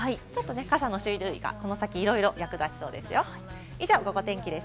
傘の種類がこの先いろいろ役立ちそうですよ。